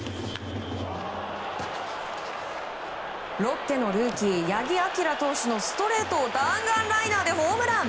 ロッテのルーキー八木彬投手のストレートを弾丸ライナーでホームラン！